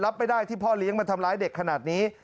รับไม่ได้ที่พ่อเลี้ยงมาทำร้ายเด็กขนาดนี้